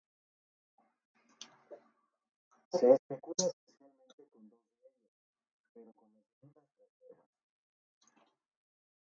Se especula especialmente con dos de ellos, pero con las debidas reservas.